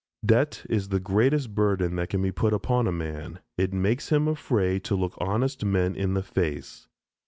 Debt is the greatest burden that can be put upon man; it makes him afraid to look honest men in the face.